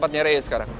canggar rey sekarang